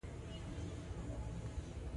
هو هغه د ښې کیسې ځانګړنې مې په غوږ کې وې.